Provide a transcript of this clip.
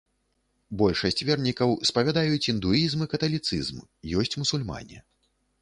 Большасць вернікаў спавядаюць індуізм і каталіцызм, ёсць мусульмане.